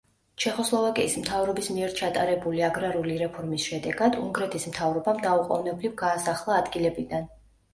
ჩეხოსლოვაკიის მთავრობის მიერ ჩატარებული აგრარული რეფორმის შედეგად, უნგრეთის მთავრობამ დაუყოვნებლივ გაასახლა ადგილებიდან.